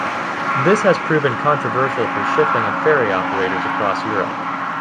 This has proven controversial for shipping and ferry operators across Europe.